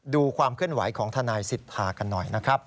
ดูความเคลื่อนไหวของทนายสิทธากันหน่อยนะครับ